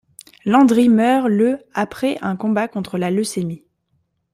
Landry meurt le après un combat contre la leucémie.